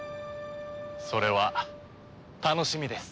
それは楽しみです。